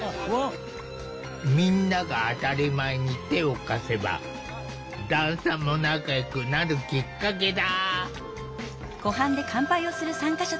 みんなが当たり前に手を貸せば段差も仲よくなるきっかけだ！